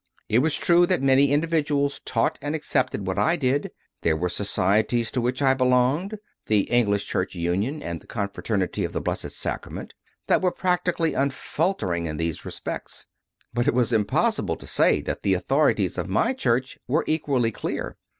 It was true that many individuals taught and accepted what I did; there were societies to which I belonged the "English Church Union" and the "Confraternity of the Blessed Sacrament" that were practically unfaltering in these respects; but it was impossible to say that the authorities of my Church were equally clear.